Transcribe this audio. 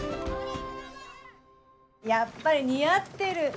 やっぱり似合ってる。